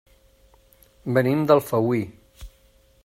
Venim d'Alfauir.